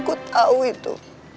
aku tahu itu